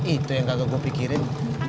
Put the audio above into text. itu yang kagak gue pikirin